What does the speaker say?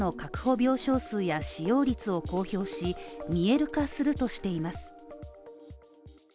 病床数や使用率を公表し、見える化するとしています。